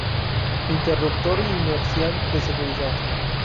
Interruptor Inercial de Seguridad.